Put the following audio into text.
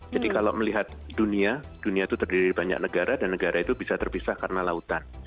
jadi kalau melihat dunia dunia itu terdiri banyak negara dan negara itu bisa terpisah karena lautan